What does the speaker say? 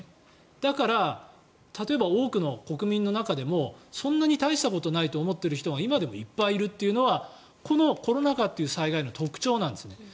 だから、例えば多くの国民の中でもそんなに大したことないと思っている人が今でもいっぱいいるというのはこのコロナ禍という災害の特徴なんですね。